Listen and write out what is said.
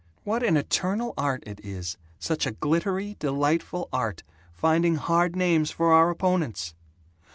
What an eternal art it is such a glittery delightful art finding hard names for our opponents!